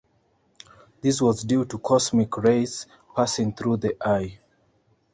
This was due to cosmic rays passing through the eye.